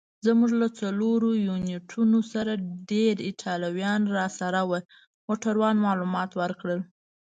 زموږ له څلورو یونیټونو سره ډېر ایټالویان راسره ول. موټروان معلومات ورکړل.